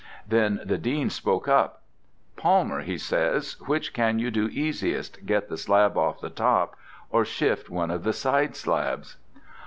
Then the Dean spoke up: 'Palmer,' he says, 'which can you do easiest, get the slab off the top, or shift one of the side slabs?'